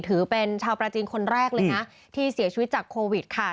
ถือเป็นชาวปราจีนคนแรกเลยนะที่เสียชีวิตจากโควิดค่ะ